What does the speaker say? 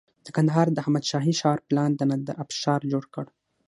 د کندهار د احمد شاهي ښار پلان د نادر افشار جوړ کړ